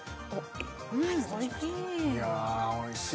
おいしい